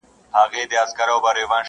پخواني خلک وچه ډوډۍ خوړله.